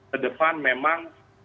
ke depan memang